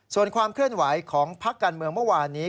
ส่วนความเคลื่อนไหวของพักการเมืองเมื่อวานนี้